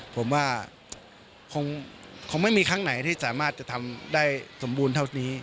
ผมว่าคงไม่มีครั้งไหนที่สามารถจะทำได้สมบูรณ์เท่านี้